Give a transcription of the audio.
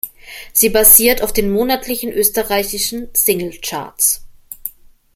Sie basiert auf den monatlichen österreichischen Singlecharts.